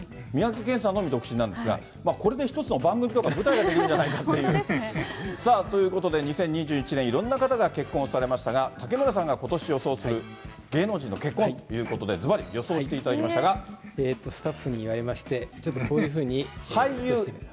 三宅健さんのみ独身なんですが、これで一つの番組とか舞台ができるんじゃないかっていう。ということで、２０２１年、いろんな方が結婚をされましたが、竹村さんがことし予想する芸能人の結婚ということで、ずばり予想スタッフに言われまして、ちょっとこういうふうに。